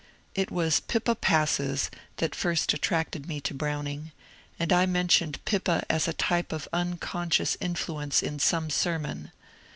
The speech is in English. " It was *^ Pippa Passes *' that first attracted me to Browning, and I mentioned Pippa as a type of unconscious influence in some sermon.